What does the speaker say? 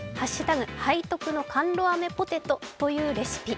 背徳のカンロ飴、ポテトというレシピ。